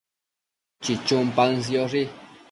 chichun paën sioshi